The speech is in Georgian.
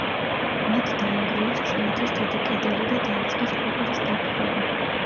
მათ დაანგრიეს ჩინეთის დიდი კედელი და დაიწყეს ქვეყნის დაპყრობა.